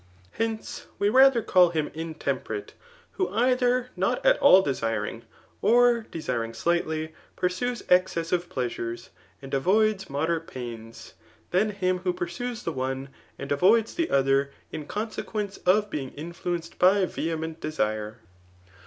Hence, we rather call him mtemperate, who ei dier not at all desiring, or desiring slightly, pursues excessive pleasures, and avoids moderate pains, than him who pursues the one and avoids the other, in conse quence of being influenced by vdiement desire.